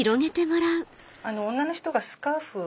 女の人がスカーフを。